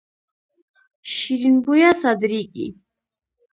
شیرین بویه صادریږي.